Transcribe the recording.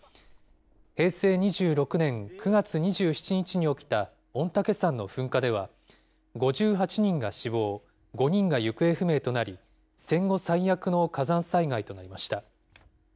平成２６年９月２７日に起きた御嶽山の噴火では、５８人が死亡、５人が行方不明となり、戦後最悪の火山災害となりました。